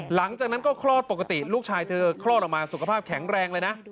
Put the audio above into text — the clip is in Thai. หลังจากนั้นก็คลอดปกติลูกชายเธอคลอดออกมาสุขภาพแข็งแรงเลยนะ